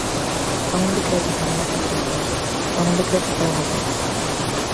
Fan un decreto para unha parte soa, fan un decreto para unha parte.